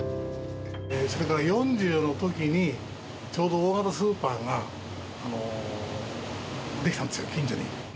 ４０のときに、ちょうど大型スーパーが出来たんですよ、近所に。